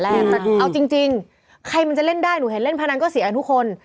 แต่เอาจริงใครมันจะเล่นได้หนูเห็นเล่นพนันก็เสียกันทุกคน